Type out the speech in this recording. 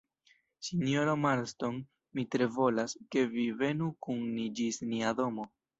Sinjoro Marston, mi tre volas, ke vi venu kun ni ĝis nia domo.